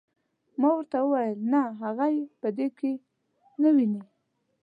ما ورته وویل نه هغه یې په دې کې نه ویني.